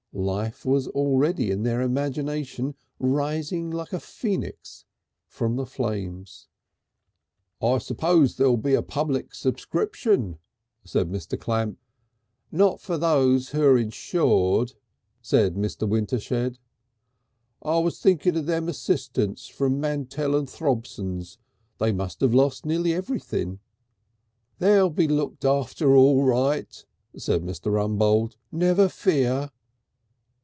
Life was already in their imagination rising like a Phoenix from the flames. "I suppose there'll be a public subscription," said Mr. Clamp. "Not for those who're insured," said Mr. Wintershed. "I was thinking of them assistants from Mantell and Throbson's. They must have lost nearly everything." "They'll be looked after all right," said Mr. Rumbold. "Never fear."